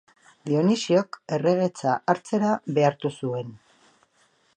Dionisiok erregetza hartzera behartu zuen.